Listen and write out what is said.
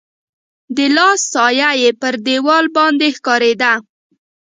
د لاس سایه يې پر دیوال باندي ښکارېده.